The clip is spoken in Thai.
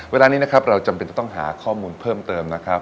เวลานี้นะครับเราจำเป็นจะต้องหาข้อมูลเพิ่มเติมนะครับ